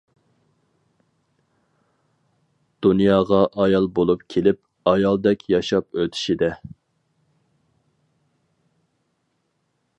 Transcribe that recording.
دۇنياغا ئايال بولۇپ كېلىپ، ئايالدەك ياشاپ ئۆتىشىدە!